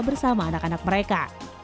bersama anak anak mereka